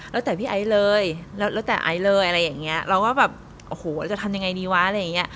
แล้วแต่พี่ไอซ์เลยแล้วแต่ไอซ์เลยอะไรอย่างเงี้ยเราก็แบบโอ้โหจะทำยังไงดีวะอะไรอย่างเงี้ย